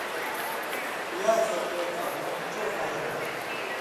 پیاز زکے کھالُوں چو فائدہ ہوتُھو۔